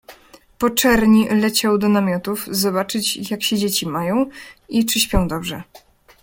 Po czerń leciał do namiotów zobaczyć, jak się dzieci mają i czy śpią dobrze.